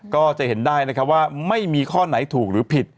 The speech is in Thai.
ก็จะเห็นได้นะครับว่าไม่มีข้อไหนถูกหรือผิด